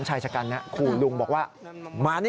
๒ชายจากกันนั้นขู่ลุงบอกว่า